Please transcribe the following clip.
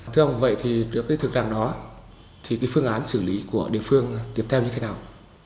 thưa ông vậy thì được cái thực trạng đó thì cái phương án xử lý của địa phương tiếp theo như thế nào